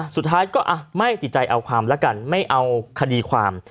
สุดท้ายก็ไม่ติดใจเอาความแล้วกันไม่เอาคดีความ